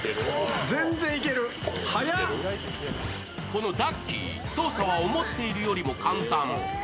このダッキー、操作は思っているよりも簡単。